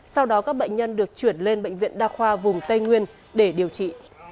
sau đó các bệnh nhân được chuyển lên bệnh viện đa khoa vùng tây nguyên để điều trị